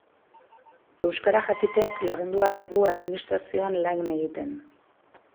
Euskara jakiteak lagundu ahal digu administrazioan lan egiten.